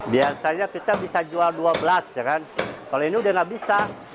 biasanya kita bisa jual dua belas kalau ini sudah tidak bisa